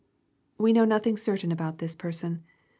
] We know nothing certain about this person.